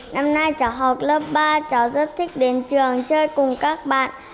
năm nay cháu học lớp ba cháu rất thích đến trường chơi cùng các bạn